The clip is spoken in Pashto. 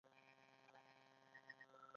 پروژې نیمګړې پریښودل تاوان دی.